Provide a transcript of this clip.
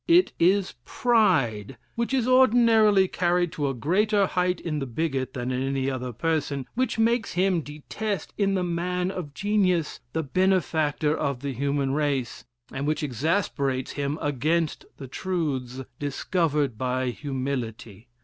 It is pride, which is ordinarily carried to a greater height in the bigot than in any other person, which makes him detest in the man of genius the benefactor of the human race, and which exasperates him against the truths discovered by humility.